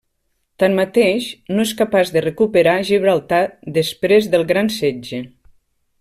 Tanmateix, no és capaç de recuperar Gibraltar després del Gran Setge.